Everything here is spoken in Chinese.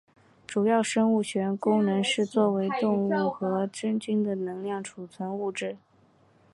主要生物学功能是作为动物和真菌的能量储存物质。